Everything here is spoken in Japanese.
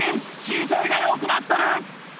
姿勢が良くなってる！